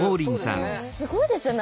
すごいですよね。